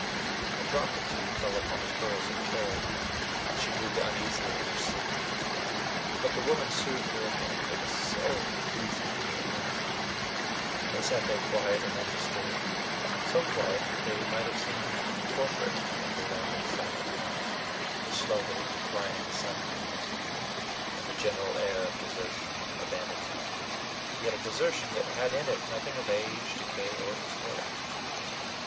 A drop or two fell upon the curls of Carry, and she moved uneasily in her sleep. But the woman soothed her again it was SO easy to do it now and they sat there quiet and undisturbed, so quiet that they might have seemed incorporate of the lonely silent house, the slowly declining sunbeams, and the general air of desertion and abandonment, yet a desertion that had in it nothing of age, decay, or despair.